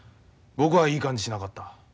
僕はいい感じしなかった。